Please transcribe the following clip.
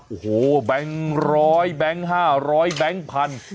โอ้โหแบงค์ร้อยแบงค์๕๐๐แบงค์พัน